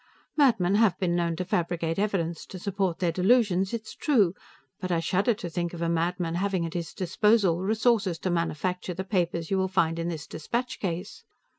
Madmen have been known to fabricate evidence to support their delusions, it is true, but I shudder to think of a madman having at his disposal the resources to manufacture the papers you will find in this dispatch case.